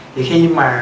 thì khi mà